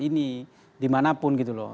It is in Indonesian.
ini dimanapun gitu loh